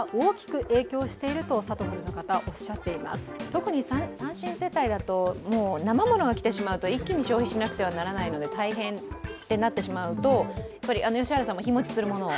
特に単身世帯だとなま物が来てしまうと一気に消費しないといけない、大変となってしまうと良原さんも日もちするものを？